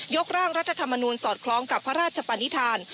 กร่างรัฐธรรมนูลสอดคล้องกับพระราชปนิษฐาน